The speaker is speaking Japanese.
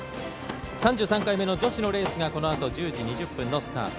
３３回目の女子のレースがこのあと１０時２０分のスタート。